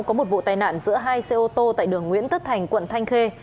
có một vụ tai nạn giữa hai xe ô tô tại đường nguyễn tất thành quận thanh khê